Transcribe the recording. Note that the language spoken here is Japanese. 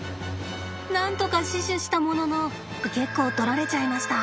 何とか死守したものの結構とられちゃいました。